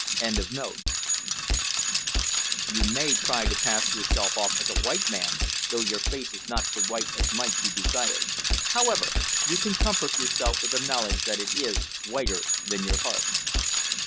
] "You may try to pass yourself off as a white man, though your face is not so white as might be desired; however, you can comfort yourself with the knowledge that it is whiter than your heart!"